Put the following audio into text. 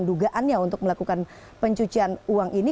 dugaannya untuk melakukan pencucian uang ini